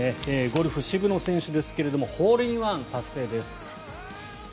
ゴルフ、渋野選手ですがホールインワン達成です。